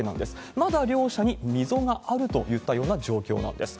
まだ両者に溝があるといったような状況なんです。